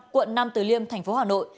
quận năm từ liêm tp hcm